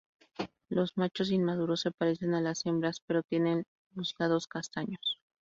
Los machos inmaduros se parecen a las hembras, pero tienen los lados castaños.